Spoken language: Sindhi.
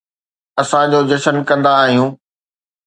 اسان ڇو جشن ڪندا آهيون؟